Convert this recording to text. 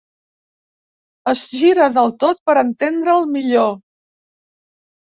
Es gira del tot per entendre'l millor.